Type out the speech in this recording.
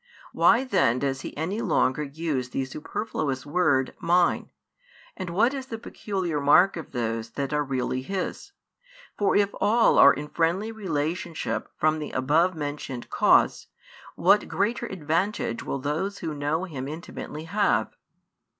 Why then does He any longer use the superfluous word 'Mine?' And what is the peculiar mark of those that are really His? For if all are in friendly relationship from the above mentioned cause, what greater advantage will those who know Him intimately have?"